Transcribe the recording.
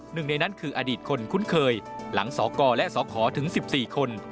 หนึ่งในนั้นคืออดีตคนคุ้นเคยหลังสกและสขถึง๑๔คน